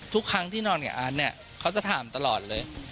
ทุกครั้งที่นอนกับอาร์ตเนี่ยเขาจะถามตลอดเลย